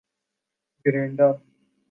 Grenada